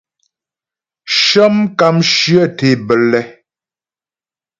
Shə́ mkàmshyə tě bə́lɛ.